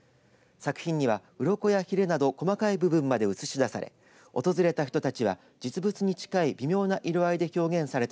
作品には、うろこやひれなど細かい部分まで写し出され訪れた人たちは実物に近い微妙な色合いで表現された。